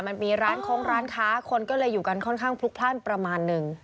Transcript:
มันมีร้านโค้งร้านค้าคนก็เลยอยู่กันค่อนข้างพลุกพลั่นประมาณนึง